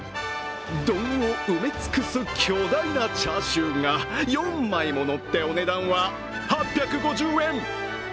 丼を埋め尽くす巨大なチャーシューが４枚ものって、お値段は８５０円。